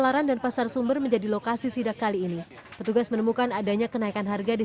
laran dan pasar sumber menjadi lokasi sidak kali ini petugas menemukan adanya kenaikan harga di